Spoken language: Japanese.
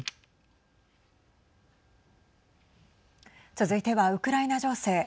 続いてはウクライナ情勢。